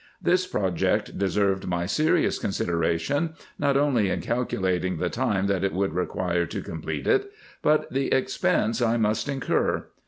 This project deserved my serious consideration, not only in calculating the time that it would require to complete it, but the expense I must incur.